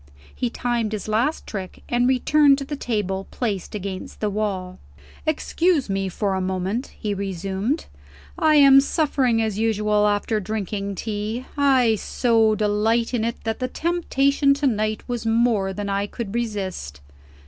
He timed his last trick, and returned to the table placed against the wall. "Excuse me for a moment," he resumed; "I am suffering as usual, after drinking tea. I so delight in it that the temptation to night was more than I could resist.